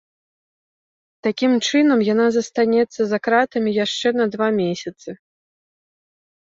Такім чынам, яна застанецца за кратамі яшчэ на два месяцы.